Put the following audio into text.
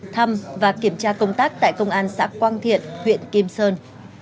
thăm và kiểm tra công tác tại công an xã quang thiện huyện kim sơn